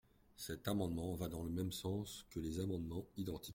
Cet amendement va dans le même sens que les amendements identiques.